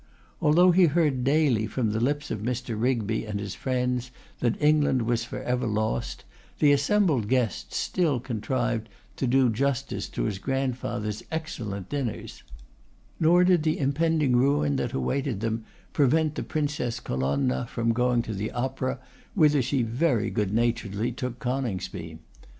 Although he heard daily from the lips of Mr. Rigby and his friends that England was for ever lost, the assembled guests still contrived to do justice to his grandfather's excellent dinners; nor did the impending ruin that awaited them prevent the Princess Colonna from going to the Opera, whither she very good naturedly took Coningsby.